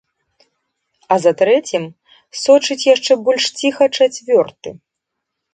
А за трэцім сочыць яшчэ больш ціха чацвёрты.